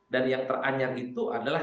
dan yang teranyak itu adalah